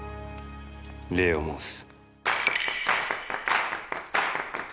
礼を申す。